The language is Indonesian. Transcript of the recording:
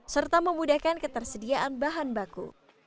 serta memudahkan ketersediaan bahan baku